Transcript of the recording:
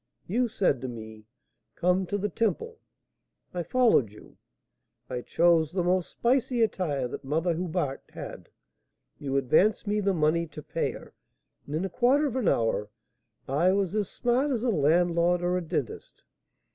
You said to me, 'Come to the Temple.' I followed you. I chose the most spicy attire that Mother Hubart had, you advanced me the money to pay her, and in a quarter of an hour I was as smart as a landlord or a dentist.